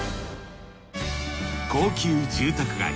高級住宅街